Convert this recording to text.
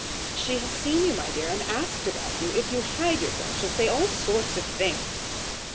"She has seen you, my dear, and asked about you. If you hide yourself, she'll say all sorts of things."